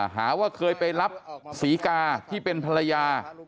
หาว่าเคยไปรับศรีกาที่เป็นภรรยา